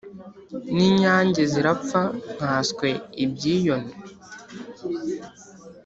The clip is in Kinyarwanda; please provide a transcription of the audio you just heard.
N’inyange zirapfa nkaswe ibyiyoni.